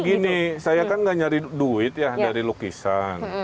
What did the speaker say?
jadi gini saya kan nggak nyari duit ya dari lukisan